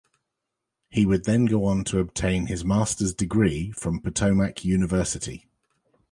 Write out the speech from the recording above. He would then go on to obtain his master's degree from Potomac University.